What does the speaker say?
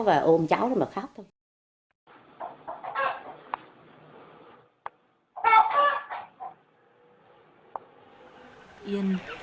và ôm cháu mà khóc